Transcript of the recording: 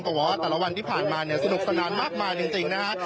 บอกว่าแต่ละวันที่ผ่านมาเนี่ยสนุกสนานมากมายจริงนะฮะ